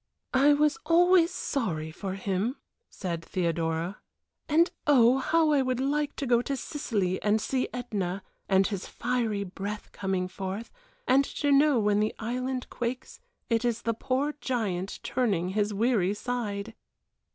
"I was always sorry for him," said Theodora; "and oh, how I would like to go to Sicily and see Ætna and his fiery breath coming forth, and to know when the island quakes it is the poor giant turning his weary side!"